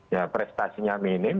ya prestasinya minim